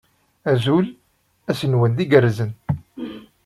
Azul, ass-nwen d igerrzen!